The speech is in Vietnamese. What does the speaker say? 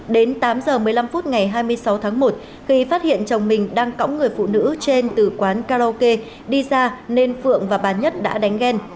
đến tám h một mươi năm phút ngày hai mươi sáu tháng một khi phát hiện chồng mình đang cõng người phụ nữ trên từ quán karaoke đi ra nên phượng và bà nhất đã đánh ghen